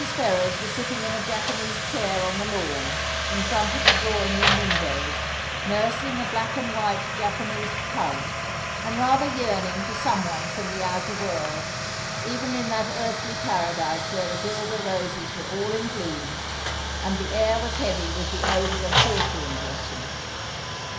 Ferrers was sitting in a J apanese chair on the lawn, in front of the drawing room windows, nursing a black and white Japanese pug, and rather yearning for someone from the outer world, even in that earthy paradise where the guelder roses were all in bloom and the air was heavy with the odour of hawthorn blossom.